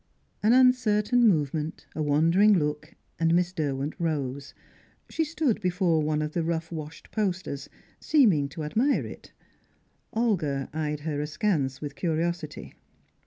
An uncertain movement, a wandering look, and Miss Derwent rose. She stood before one of the rough washed posters, seeming to admire it; Olga eyed her askance, with curiosity.